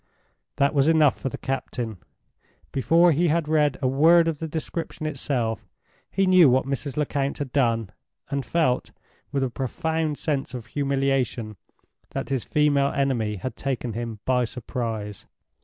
That was enough for the captain. Before he had read a word of the description itself, he knew what Mrs. Lecount had done, and felt, with a profound sense of humiliation, that his female enemy had taken him by surprise.